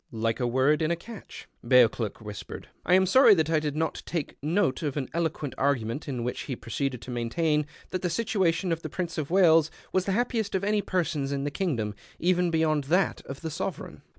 (" Like a word in a catch,'' Bcauclcrk whispered.) I am sorry that I did not take note of an eUxiucnt argument in which he proceeded to maintain that the situation of Prince of Wales was the hajopiest of any person's in the kingdom, even beyond that of the Sovereign.